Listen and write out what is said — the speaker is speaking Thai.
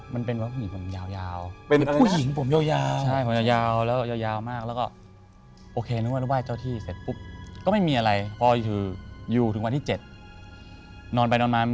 มันเป็นวันนี้ผู้หญิงของผมยาว